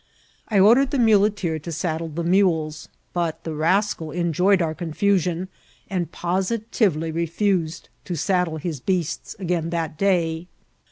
I ordered the muleteer to saddle the mules ; but the rascal enjoyed our confusion, and positively re fused to saddle his beasts again that day.